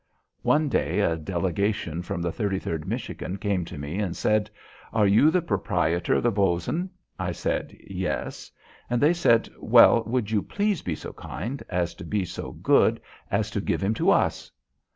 One day a delegation from the 33d Michigan came to me and said: "Are you the proprietor of the Bos'n?" I said: "Yes." And they said: "Well, would you please be so kind as to be so good as to give him to us?"